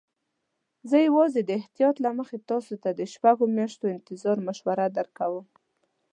زه یوازې د احتیاط له مخې تاسي ته د شپږو میاشتو انتظار مشوره درکوم.